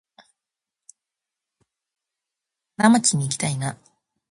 金町にいきたいな